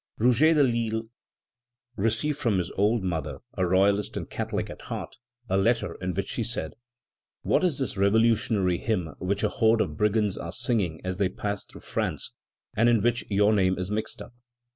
Rouget de l'Isle received from his old mother, a royalist and Catholic at heart, a letter in which she said: "What is this revolutionary hymn which a horde of brigands are singing as they pass through France, and in which your name is mixed up?"